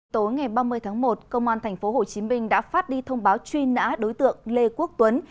tối ngày ba mươi tháng một công an tp hcm đã phát đi thông báo truy nã đối tượng lê quốc tuấn